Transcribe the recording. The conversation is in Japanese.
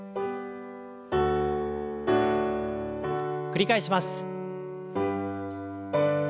繰り返します。